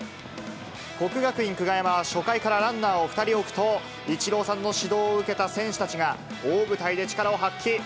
國學院久我山は初回からランナーを２人置くと、イチローさんの指導を受けた選手たちが、大舞台で力を発揮。